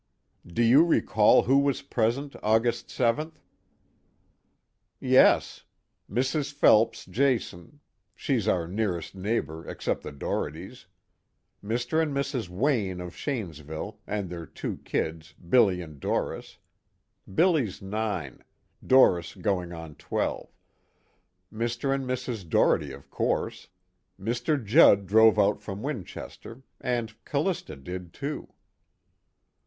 "Do you recall who was present, August 7th?" "Yes. Mrs. Phelps Jason she's our nearest neighbor except the Dohertys. Mr. and Mrs. Wayne of Shanesville and their two kids Billy and Doris. Billy's nine, Doris going on twelve. Mr. and Mrs. Doherty of course. Mr. Judd drove out from Winchester. And C'lista did too."